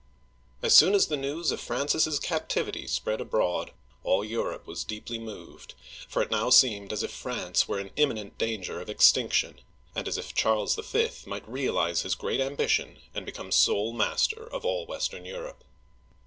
AS soon as the news of Francis's captivity spread abroad, all Europe was deeply moved, for it now seemed as if France were in imminent danger of extinction, and as if Charles V. might realize his great ambition and become sole master of all western Europe.